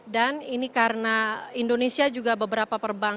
dan ini karena indonesia juga beberapa perbankan belum menerapkan